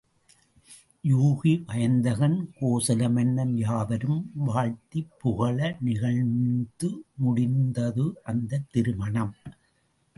யூகி, வயந்தகன், கோசலமன்னன் யாவரும் வாழ்த்திப் புகழ நிகழ்ந்து முடிந்தது அந்தத் திருமணம்.